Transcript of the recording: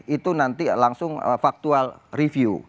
itu nanti langsung factual review